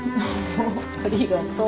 ありがとう。